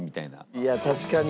いや確かに。